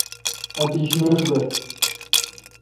اتش مݭ بہ۔